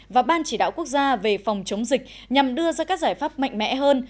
và ban chỉ đạo quốc gia về phòng chống dịch nhằm đưa ra các giải pháp mạnh mẽ hơn